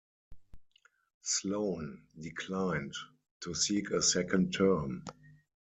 Sloan declined to seek a second term.